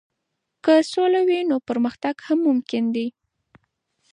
که سوله وي، نو پرمختګ هم ممکن دی.